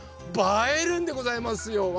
ばえるんでございますよ！